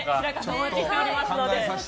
お待ちしておりますので。